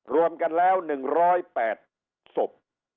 รวมกันแล้ว๑๐๘ศพ